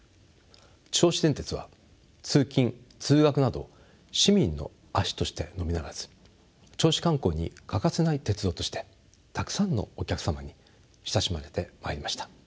銚子電鉄は通勤通学など市民の足としてのみならず銚子観光に欠かせない鉄道としてたくさんのお客様に親しまれてまいりました。